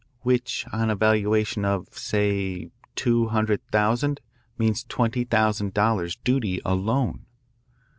which on a valuation of, say, two hundred thousand, means twenty thousand dollars duty alone.